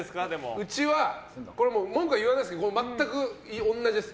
うちは文句は言わないですけど全く同じです。